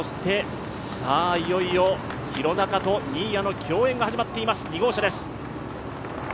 いよいよ廣中と新谷の共演が始まっています、２号車です。